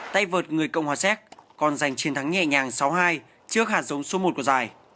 tay vợt người cộng hòa séc còn giành chiến thắng nhẹ nhàng sáu mươi hai trước hạt giống số một của giải